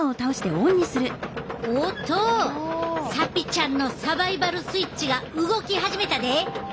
おっとサピちゃんのサバイバル・スイッチが動き始めたで。